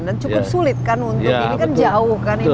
dan cukup sulit kan untuk ini kan jauh kan